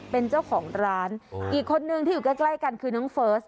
เป็นเจ้าของร้านอีกคนนึงที่อยู่ใกล้กันคือน้องเฟิร์ส